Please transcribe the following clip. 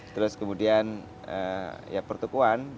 terus kemudian ya pertukuan